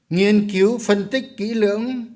nghiên cứu phân tích kỹ lưỡng